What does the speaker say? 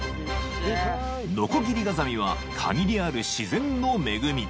［ノコギリガザミは限りある自然の恵み］